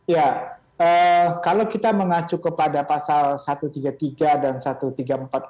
ya kalau kita mengacu kepada pasal satu ratus tiga puluh tiga dan satu ratus tiga puluh empat